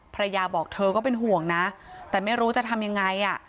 บอกเธอก็เป็นห่วงนะแต่ไม่รู้จะทำยังไงอ่ะ